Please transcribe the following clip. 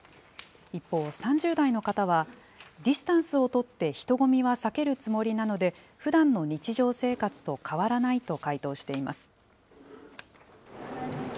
一方、３０代の方は、ディスタンスを取って人混みは避けるつもりなので、ふだんの日常生活と変わらないと回答しています。